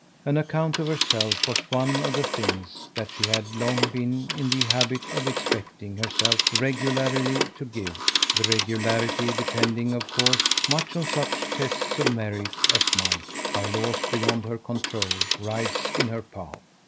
An account of herself was one of the things that she had long been in the habit of expecting herself regularly to give the regularity depending of course much on such tests of merit as might, by laws beyond her control, rise in her path.